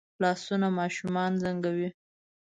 لاسونه ماشومان زنګوي